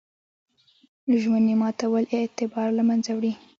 ژمنې ماتول اعتبار له منځه وړي.